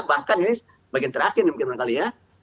bahkan ini bagian terakhir mungkin barangkali ya